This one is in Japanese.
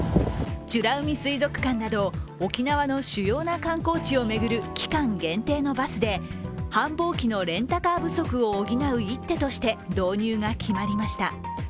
美ら海水族館など沖縄の主要な観光地を巡る期間限定のバスで繁忙期のレンタカー不足を補う一手として導入が決まりました。